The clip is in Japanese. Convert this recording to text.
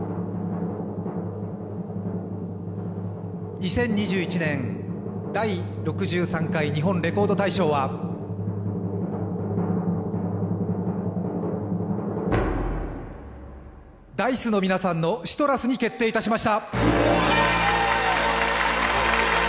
２０２１年第６３回日本レコード大賞はＤａ−ｉＣＥの皆さんの「ＣＩＴＲＵＳ」に決定いたしました！